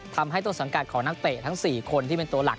ทำให้ต้นสังกัดของนักเตะทั้ง๔คนที่เป็นตัวหลัก